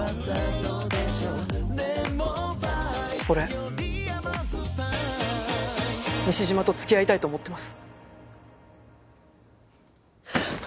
俺西島と付き合いたいと思ってます。